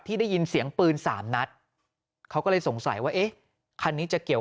ได้ยินเสียงปืนสามนัดเขาก็เลยสงสัยว่าเอ๊ะคันนี้จะเกี่ยว